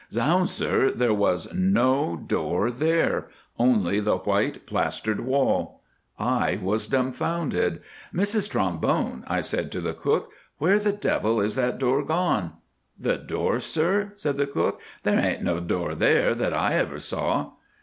"Zounds, sir, there was no door there—only the white plastered wall. I was dumbfoundered. 'Mrs Trombone,' I said to the cook, 'where the devil is that door gone?'" "'The door, sir,' said the cook, 'there ain't no door there that I ever saw.